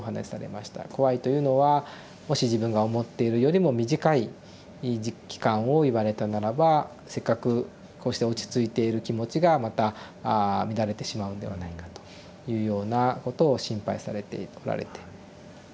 怖いというのはもし自分が思っているよりも短い期間を言われたならばせっかくこうして落ち着いている気持ちがまた乱れてしまうんではないかというようなことを心配されておられて。